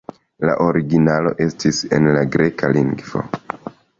La originalo estis en la greka lingvo.